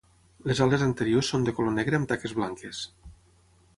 Les ales anteriors són de color negre amb taques blanques.